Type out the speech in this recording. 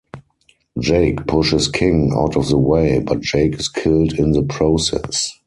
Jake pushes King out of the way but Jake is killed in the process.